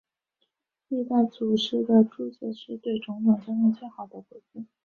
历代祖师的注解是对种种争议的最好回复。